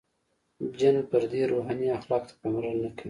• جن فردي روحاني اخلاقو ته پاملرنه نهکوي.